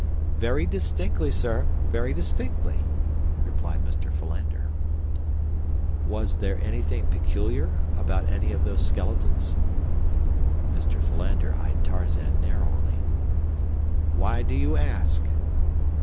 "Very distinctly, sir, very distinctly," replied Mr. Philander. "Was there anything peculiar about any of those skeletons?" Mr. Philander eyed Tarzan narrowly. "Why do you ask?"